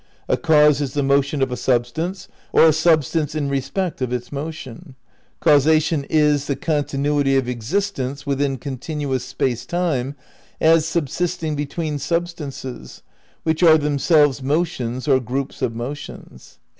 ... "A cause is the motion of a substance, or a substance in re spect of its motion." ... "Causation is ... the continuity of existents within continuous Space Time as subsisting between sub stances, which are themselves motions or groups of motions."